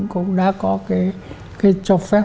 cũng đã có cái cho phép